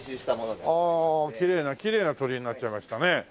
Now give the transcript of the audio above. ああきれいなきれいな鳥居になっちゃいましたね。